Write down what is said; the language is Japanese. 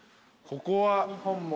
ここは？